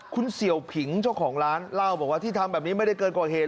คุณเสี่ยวผิงเจ้าของร้านเล่าบอกว่าที่ทำแบบนี้ไม่ได้เกินกว่าเหตุ